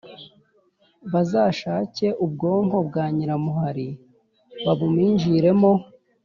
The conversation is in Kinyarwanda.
bazashake ubwonko bwa nyiramuhari babuminjiremo